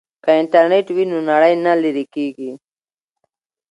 که انټرنیټ وي نو نړۍ نه لیرې کیږي.